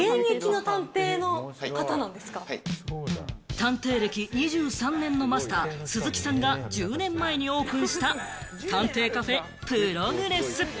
探偵歴２３年のマスター・鈴木さんが１０年前にオープンした探偵カフェ・プログレス。